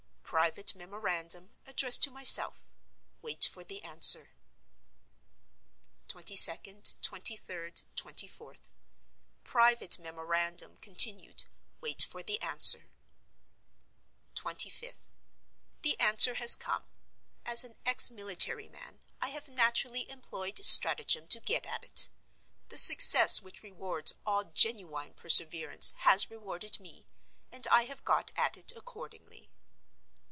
(Private memorandum, addressed to myself. Wait for the answer.) 22d, 23d, 24th.—(Private memorandum continued. Wait for the answer.) 25th.—The answer has come. As an ex military man, I have naturally employed stratagem to get at it. The success which rewards all genuine perseverance has rewarded me—and I have got at it accordingly.